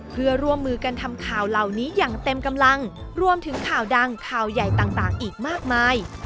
เพื่อร่วมมือกันทำข่าวเหล่านี้อย่างเต็มกำลังรวมถึงข่าวดังข่าวใหญ่ต่างอีกมากมาย